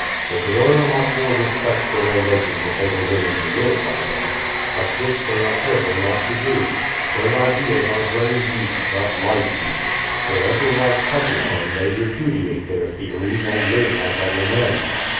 They could earn a lot more respect for their notions if they were willing to live by them; but this they are careful not to do. Their ideas are brain deep, not life deep. Wherever life touches them they repudiate their theories and live like other men.